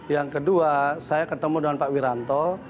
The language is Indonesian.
yang kedua saya ketemu dengan pak wiranto